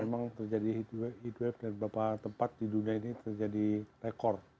memang terjadi heatway dari beberapa tempat di dunia ini terjadi rekor